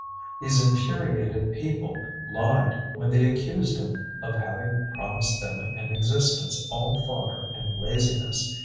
These infuriated people lied when they accused him of having promised them an existence all fodder and laziness.